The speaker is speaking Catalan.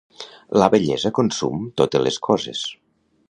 La vellesa consum totes les coses.